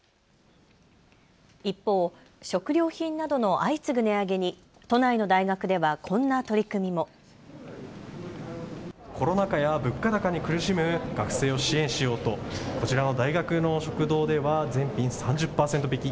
一方、食料品などの相次ぐ値上げに都内の大学ではこんな取り組みも。コロナ禍や物価高に苦しむ学生を支援しようと、こちらの大学の食堂では全品３０％引き。